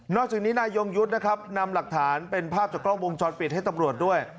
จากนี้นายยงยุทธ์นะครับนำหลักฐานเป็นภาพจากกล้องวงจรปิดให้ตำรวจด้วย